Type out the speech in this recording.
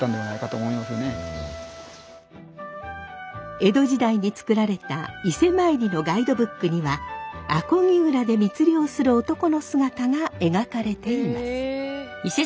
江戸時代に作られた伊勢参りのガイドブックには阿漕浦で密漁する男の姿が描かれています。